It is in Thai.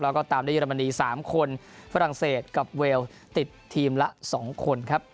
แล้วก็ตามด้วยเรมนี๓คนฝรั่งเศสกับเวลติดทีมละ๒คนครับ